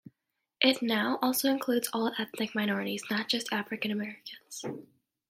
It now also includes all ethnic minorities, not just African-Americans.